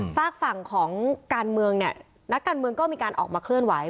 ฝากฝั่งของการเมืองเนี่ยนักการเมืองก็มีการออกมาเคลื่อนไหว